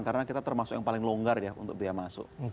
karena kita termasuk yang paling longgar ya untuk biaya masuk